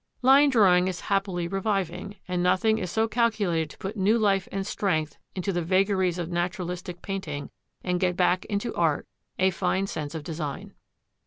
Line drawing is happily reviving, and nothing is so calculated to put new life and strength into the vagaries of naturalistic painting and get back into art a fine sense of design.